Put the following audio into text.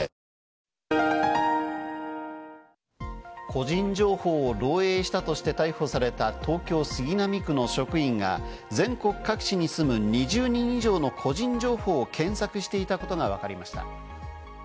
個人情報を漏えいしたとして逮捕された東京・杉並区の職員が全国各地に住む２０人以上の個人情報を検索していたことがわかりました。